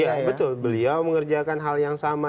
iya betul beliau mengerjakan hal yang sama